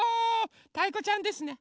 たいこちゃんですね。